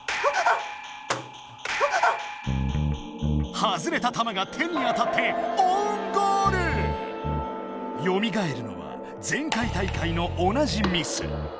外れた球が手に当たってよみがえるのは前回大会の同じミス。